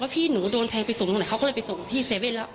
พี่หนูโดนแทงไปส่งตรงไหนเขาก็เลยไปส่งที่๗๑๑แล้ว